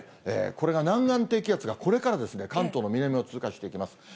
これが南岸低気圧がこれから関東の南を通過していきます。